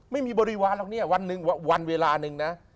ไม่มีบริวารหรอกเนี่ยวันเวลาหนึ่งนะ